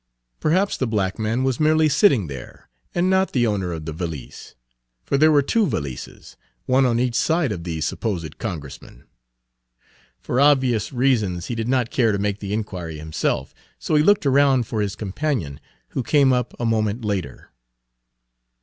Perhaps the black man was merely sitting there, and not the owner of the valise! For there were two valises, one on each side of the supposed Congressman. For obvious reasons he did not care to make the inquiry himself, so he looked around for his companion, who came up a moment later.